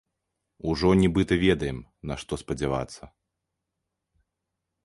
Ужо нібыта ведаем, на што спадзявацца.